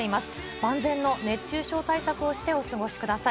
万全の熱中症対策をしてお過ごしください。